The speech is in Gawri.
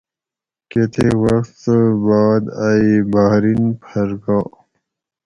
کتیک وخت باد ائ بحرین پھر گا